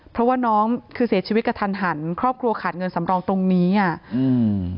เพราะว่าน้องคือเสียชีวิตกระทันหันครอบครัวขาดเงินสำรองตรงนี้อ่ะอืม